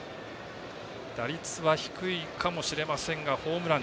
打率は低いかもしれませんがホームラン、